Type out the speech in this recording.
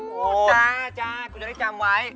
โอ้โหจ้าจ้ากูจะได้จำไว้